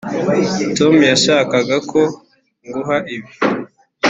tom yashakaga ko nguha ibi.